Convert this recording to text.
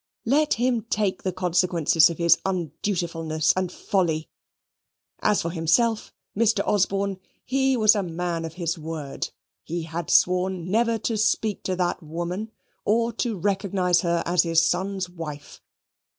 Let him take the consequences of his undutifulness and folly. As for himself, Mr. Osborne, he was a man of his word. He had sworn never to speak to that woman, or to recognize her as his son's wife.